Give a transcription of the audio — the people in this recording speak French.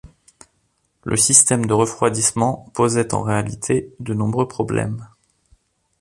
Le système de refroidissement posait en réalité de nombreux problèmes.